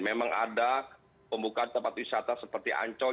memang ada pembukaan tempat wisata seperti ancol